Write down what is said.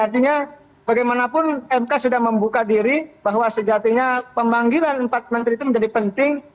artinya bagaimanapun mk sudah membuka diri bahwa sejatinya pemanggilan empat menteri itu menjadi penting